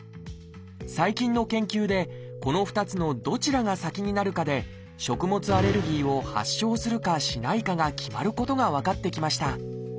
最近の研究でこの２つのどちらが先になるかで食物アレルギーを発症するかしないかが決まることが分かってきました。